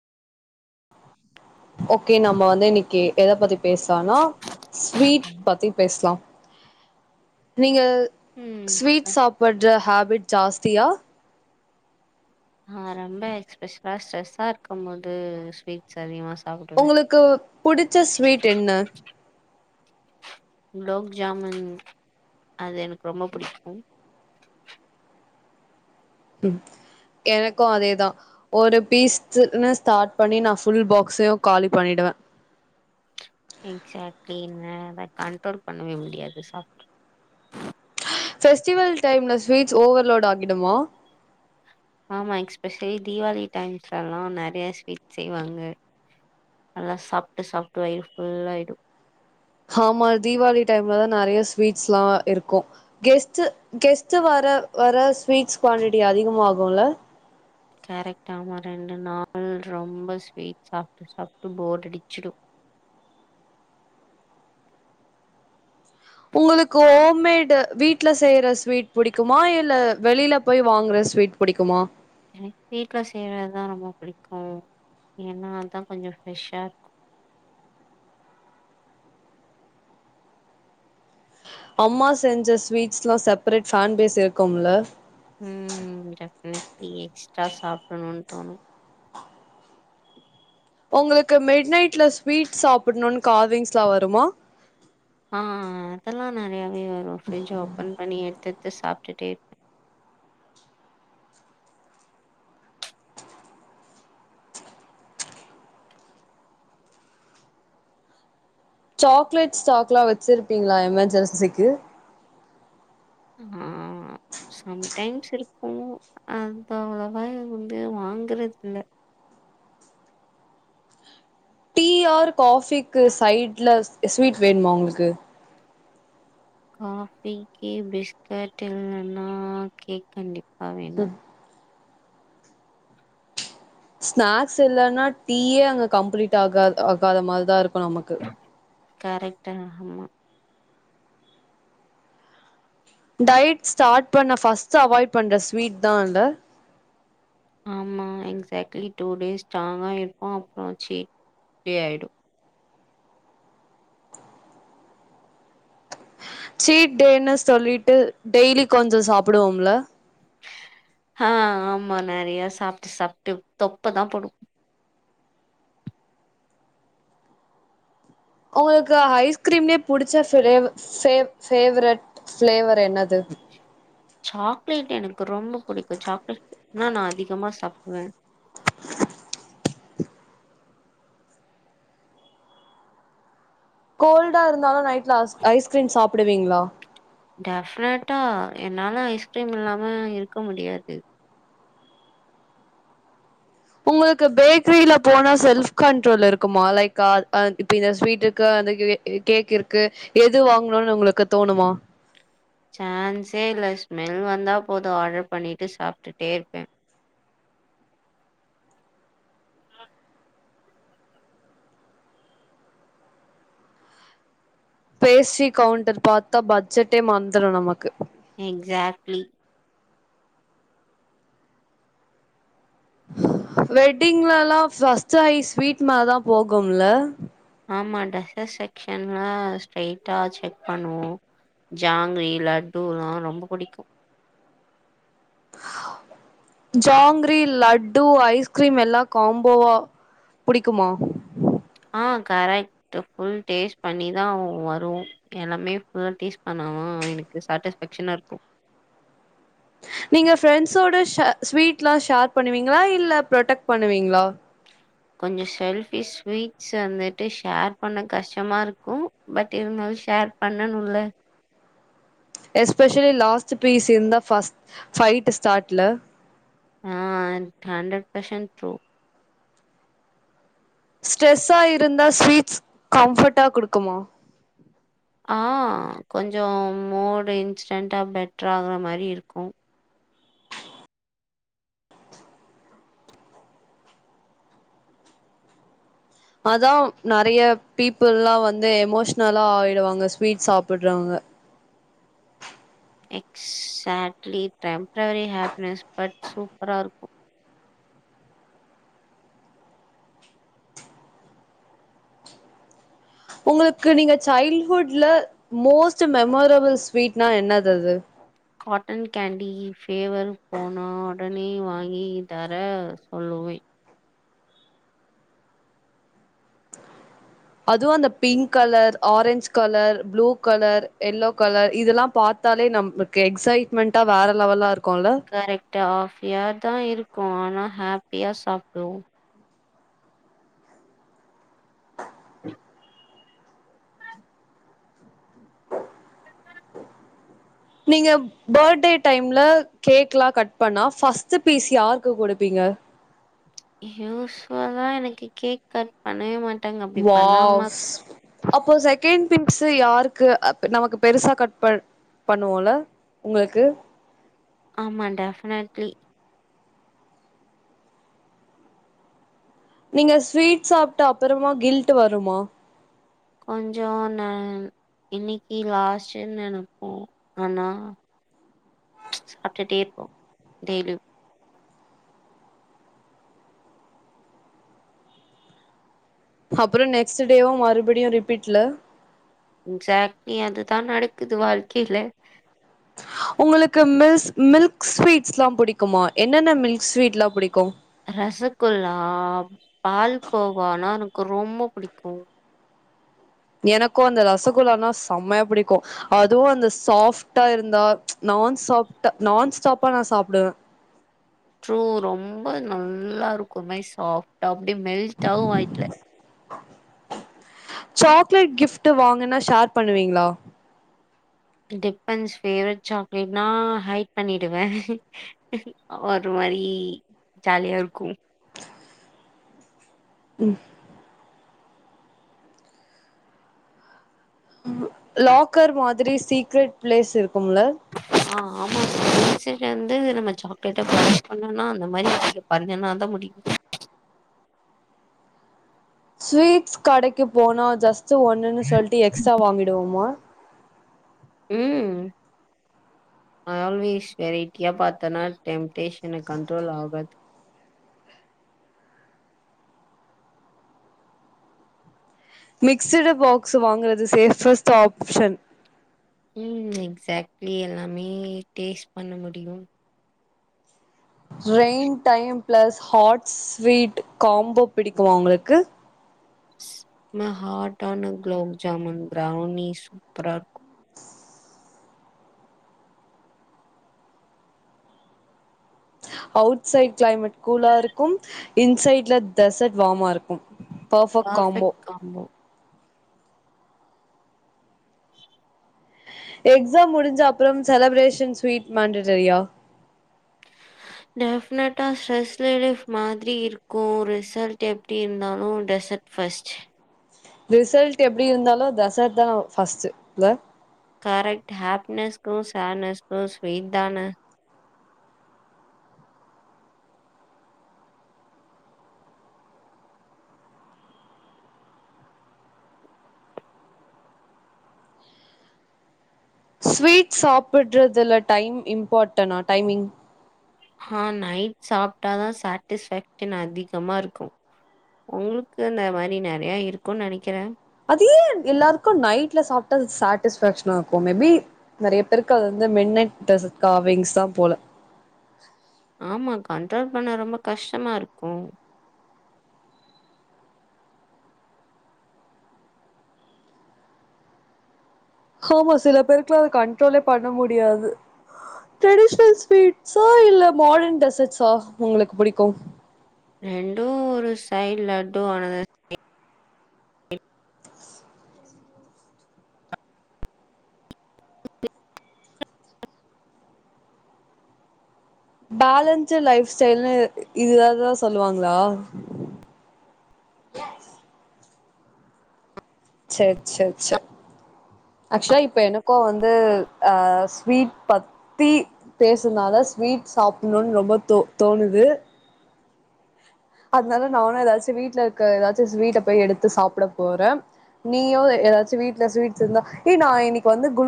okay நம்ம வந்து இன்னைக்கு எத பத்தி பேசலானா ஸ்வீட் பத்தி பேசலாம் நீங்க ம் ஸ்வீட் சாப்படுற ஹேபிட் ஜாஸ்தியா ஆ ரொம்பஸ்ப ஸ்ட்ரெஸ்ஸா இருக்கும் போது ஸ்வீட்ஸ் அதிகமா சாப்டுவே உங்களுக்கு புடிச்ச ஸ்வீட் என்ன குலோப் ஜாமுன் அது எனக்கு ரொம்ப புடிக்கும் ம் எனக்கு அதேதா ஒரு பீஸ்ன்னு ஸ்டார்ட் பண்ணி நான் ஃபுல் பாக்ஸையும் காலி பண்ணிடு வ எக்சாக்ட்லன அத கண்ட்ரோல் பண்ணவே முடியாது சாப்ட் ஃபெஸ்டிவல் டைம்ல ஸ்வீட்ஸ் ஓவர்லோட் ஆகிடுமா ஆமா எக்ஸ்பெஷலி தீவாளி டைம்ஸ்ல எல்லா நறைய ஸ்வீட் செய்வாங்க நல்லா சாப்டு சாப்ட் வயிறு ஃபுல்லாயிடு ஆமா தீவாளி டைம்லதா நறைய ஸ்வீட்ஸ் எல்லா இருக்கு கெஸ்ட் கெஸ்ட் வ வர வர ஸ்வீட்ஸ் குவான்டிட்டி அதிகமாகுல கரெக்ட் ஆமா ரெண்டு நாள் ரொம்ப ஸ்வீட் சாப்ட் சாப்ட் போர் அடிச்சிடு [inaudible] உங்களுக்கு ஹோம்மேட் வீட்ல செய்யற ஸ்வீட் புடிக்குமா இல்ல வெளியில போய் வாங்கற ஸ்வீட் புடிக்குமா எனக் வீட்ல செய்றதுதா ரொம்ப புடிக்கு ஏன்னா அதான் கொஞ்ச ஃப்ரெஷ்ஷா இருக்கு [inaudible] அம்மா செஞ்ச ஸ்வீட்ஸ்ல்லா செப்பரேட் ஃபேன் பேஸ் இருக்கும்ல ம் டெஃபினெட்லி எக்ஸ்ட்ரா சாப்டணும்னு தோணு உங்களுக்கு மிட் நைட்ல ஸ்வீட் சாப்டணும்னு கால்விங்ஸ்லா வருமா ஆ அதெல்லா நறையாவே வரு ஃப்ரிட்ஜ் ஓப்பன் பண்ணி எடு த்து சாப்ட்டுட்டே இருப்பே சாக்லேட் ஸ்டாக்லா வச்சிருப்பீங்களா எமெர்ஜென்சிக்கு ஆ சம்டைம்ஸ் இருக்கு அத அவ்வளவா வந்து வாங்குறத இல்ல டி ஆர் காஃபிக்கு சைட்ல ஸ்வீட் வேணுமா உங்களுக்கு காஃபிக்கு பிஸ்கட் இல்லன்னா கேக் கண்டிப் பா வேணு ஸ்நாக்ஸ் இல்லன்னா டீயே அங்க கம்ப்ளீட் ஆகா ஆகாத மாரிதா இருக்கு நமக்கு கரெக்டா ஆமா டயட் ஸ்டார்ட் பண்ண ஃபர்ஸ்ட் அவாய்ட் பண்ற ஸ்வீட் தான்ல்ல ஆமா எக்ஸாக்ட்லி டூ டேஸ் ஸ்ட்ராங்கா இருப்போ அப்புற சி ஆயிடு சீடேன்னு சொல்லிட்டு டெய்லி கொஞ்ச சாப்டுவோம்ல ஆ ஆமா நறைய சாப்ட்டு சாப்ட்டு தொப்பதா போடு உங்களுக்கு ஐஸ்கிரீம்லே புடிச்ச ஃபேவ ஃபேஸ் ஃபேவரைட் பிளேவர் என்னது சாக்லேட் எனக்கு ரொம்ப புடிக்கு சாக்லேட்னா நா அதிகமா சாப்டுவே கோல்டா இருந்தாலு நைட்ல ஐஸ்கிரீம் சாப்டுவீங்களா டெஃப்னெட்டா என்னால ஐஸ்கிரீம் இல்லாம இருக்க முடியாது உங்களுக்கு பேக்கரியில போனா செல்ப் கண்ட்ரோல் இருக்குமா லைக் இ இந்த ஸ்வீட்டுக்கு வந்து கேக்கு இருக்கு எது வாங்கணுனு உங்களுக்கு தோணுமா சான்ஸே இல ஸ்மெல் வந்தா போது ஆர்டர் பண்ணிட்டு சாப்ட்டுட்டே இருப்பே [inaudible] பேஸிக் கவுண்டர் பார்த்தா பட்ஜெட்டே மறந்துரும் நமக்கு எக்ஸாக்ட்லி வெட்டிங்ல எல்லாம் ஃபஸ்ர்ட் ஐ ஸ்வீட் மா தான் போகும்ல ஆமா டெசர்ட் செக்க்ஷன்லா ஸ்ட்ரைட்டா செக் பண்ணுவோம் ஜாங்கிரி லட்டுல்லாம் ரொம்ப பிடிக்கும் ஜாங்கிரி லட்டு ஐஸ்கிரீம் எல்லாம் காம்போவா புடிக்குமா ஆஹ் கரெக்ட் ஃபுல் டேஸ்ட் பண்ணி தான் வரும் எல்லாமே ஃபுல் டேஸ்ட் பண்ணமும் எனக்கு சாட்டிஸ்ஃபஷனா இருக்கும் நீங்க ஃப்ரெண்ட்ஸோட ஸ்வீட் எல்லாம் ஷேர் பண்ணுவீங்களா இல்ல ப்ரொடெக்ட் பண்ணுவீங்களா கொஞ்சம் செல்ஃபிக்ஷ் ஸ்வீட்ஸ் வந்துட்டு ஷேர் பண்ண கஷ்டமா இருக்கும் பட் இருந்தாலும் ஷேர் பண்ணனும்ல்ல எஸ்பெஷலி லாஸ்ட் பீஸ் இருந்தா ஃபஸ்ட் ஃபைட் ஸ்டார்ட்ல ஆஹ் ஹண்ட்ரட் பர்சன்ட் ட்ரூ ஸ்ட்ரெஸ்ஸா இருந்தா ஸ்வீட்ஸ் கம்பர்ட்டா குடுக்குமா ஆஹ் கொஞ்சம் மோடு இன்சிடென்டா பெட்டர் ஆகுற மாதிரி இருக்கும் அதான் நிறைய பீப்புள்ல்லாம் வந்து எமோஷ்னலா ஆயிடுவாங்க ஸ்வீட்ஸ் சாப்பிடுறவங்க எக்ஸாட்லி டெம்ரரி ஹாப்பினஸ் பட் சூப்பரா இருக்கும் உங்களுக்கு நீங்க சைல்ட் ஹுட்ல மோஸ்ட் மெமரபிள் ஸ்வீட்னா என்னது அது காட்டன் கேண்டி ஃபேவர் போனோ உடனே வாங்கி தர சொல்லுவேன் அதுவும் அந்த pink colour orange colour blue colour yellow colour இதெல்லாம் பாத்து த்தாலே நம்மளுக்கு எக்ஸைட்மெண்டா வேற லெவெல்லா இருக்கும்ல்ல டாஃபியா தான் இருக்கும் ஆனால் ஹாப்பியாக சாப்பிடுவோம் நீங்க பர்த்டே டைம்ல கேக் எலாம் கட் பண்ணா ஃபஸ்ர்ட் பீஸ் யாருக்கு குடுப்பீங்க யூஸ்வல்ல எனக்கு கேக் கட் பண்ணவே மாட்டாங்க அப்படி பண்ணா வாவ் அம்மாக்கு அப்போ செகண்ட் பீஸ் யாருக்கு நமக்கு பெருசா கட்பன் பண்ணுவோல உங்களுக்கு ஆமா டெஃபினட்லி நீங்க ஸ்வீட் சாப்ட்டு அப்புறமா கில்ட் வருமா கொஞ்சம் ந இன்னைக்கு லாஸ்ட்டுனு நினைப்போம் ஆனா [unintelligible] அப்புறம் நெக்ஸ்ட் டேவும் மறுபடியும் ரிபீட்ல எக்ஸாக்ட்லி அதுதான் நடக்குது வாழ்க்கையில ஹ உங்களுக்கு மில்ஸ் மில்க் ஸ்வீட்ஸ் எல்லாம் பிடிக்குமா என்னென்ன மில்க் ஸ்வீட் எலாம் பிடிக்கும் ரசகுல்லா பால்கோவானா எனக்கு ரொம்ப பிடிக்கும் எனக்கும் அந்த ரசகுல்லனா செம்மையா பிடிக்கும் அதுவும் அந்த ஸாப்டா இருந்தா ச் நம்ம நான் ஸாப்ட் நான் ஸ்டாப்பா நான் சாப்பிடுவேன் ட்ரூ ரொம்ப நல்லா இருக்கும்மே சாஃப்டா அப்டி மெல்டாவும் ஆயிடல சாக்லேட் கிஃப்ட் வாங்குனா ஷேர் பண்ணுவீங்களா டிப்பன்ஸ் பேவரைட் சாக்லேட்னா ஹைட் பண்ணிடுவேன் ஒரு மாரி ஜாலியா இருக்கும் உம் லாக்கர் மாதிரி சீக்ரெட் ப்ளேஸ் இருக்கும்ல ஆ ஆமா [inaudible] வந்து நம்ம சாக்லேட்ட [inaudible] பண்ணனா அந்த மாரி பண்ணுனாதா முடியு ஸ்வீட்ஸ் கடைக்கு போனா ஜஸ்ட் ஒண்ணுன்னு சொல்ட்டு எக்ஸ்ட்ரா வாங்கிடுவோமா ம் ஆல்வேஸ் வெரைட்டியா பாத்தனா டெம்டேஷன்ன கண்ட்ரோல் ஆகாது மிக்ஸ்டு பாக்ஸ்சு வாங்குறது சேஃபஸ்ட் ஆப்ஷன் ம் எக்ஸாக்ட்லி எல்லாமே டேஸ்ட் பண்ண முடியு rain time plus hot sweet combo பிடிக்குமா உங்களுக்கு செம ஹாட்டான குலோப் ஜாமுன் ப்ரௌனி சூப்பரா இருக்கு அவுட் சைட் கிளைமேட் கூலா இருக்கு இன்சைட்ல டசர்ட் வார்மா இருக்கு ப்ராஃபெக்ட் காம்போ எக்ஸாம் முடிஞ்ச அப்புறம் செலப்ரேஷன் ஸ்வீட் மாண்டட்டரியா டெஃபினட்டா ஸ்ட்ரெஸ் ரிலீப் மாதிரி இருக்கு ரிசல்ட் எப்டி இருந்தாலு டெசட் ஃபஸ்ட் ரிசல்ட் எப்டி இருந்தாலு தசர்ட்தா ஃபஸ்ட் இல்ல கரெக்ட் ஹாப்பினஸ்கு சாட்னஸ்க்கு ஸ்வீட் தான ஸ்வீட் சாப்பிடுறதுல டைம் இம்பார்ட்டனா டைமிங் ஹா நைட் சாப்ட்டாதா சாட்டிஸ்பேக்ஷன் அதிகமா இருக்கு உங்களுக்கு அந்த மாரி நெறைய இருக்கும்னு நெனைக்கிறே அது ஏன் எல்லாருக்கு நைட்ல சாப்பிட்டா சாட்டிஸ்பாக்ஷனா இருக்கு மேபி நிறைய பேருக்கு அது வந்து மென்னட் டசர்ட் காவிங்ஸ்தா போல ஆமா கண்ட்ரோல் பண்ண ரொம்ப கஷ்டமா இருக்கு ஹாமா சில பேருக்குலா அத கண்ட்ரோலே பண்ண முடியாது ட்ரெடிஷ்னல் ஸ்வீட்ஸா இல்ல மாடர்ன் டெசட்சா உங்களுக்கு பிடிக்கு ரெண்டு ஒரு சைட் லட்டு ஆனது பேலன்ஸ்ட் லைப் ஸ்டைல்னு இதுதாவதுதா சொல்லுவாங்களா செர் செர் செர் ஆக்சுவலா இப்ப எனக்கு வந்து அ ஸ்வீட் பத்தி பேசுனாதா ஸ்வீட் சாப்பிடணுனு ரொம்ப தோ தோணுது அதுனால நானு எதாச்சும் வீட்ல இருக்க எதாச்சு ஸ்வீட்ட போய் எடுத்து சாப்பிட போறே நீயு எதாச்சு வீட்ல ஸ்வீட்ஸ் இருந்தா ஏ நா இன்னைக்கு வந்து குல்